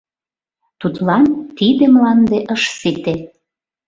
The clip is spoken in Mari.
Тудлан тиде мланде ыш сите.